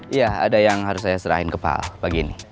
iya ada yang harus saya serahin kepal pagi ini